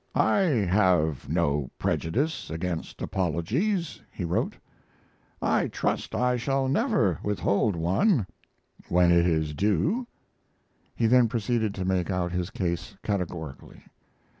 "I have no prejudice against apologies," he wrote. "I trust I shall never withhold one when it is due." He then proceeded to make out his case categorically.